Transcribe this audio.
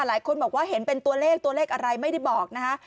หลายคนบอกว่าเห็นเป็นตัวเลขตัวเลขอะไรไม่ได้บอกนะคะ